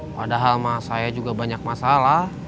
padahal saya juga banyak masalah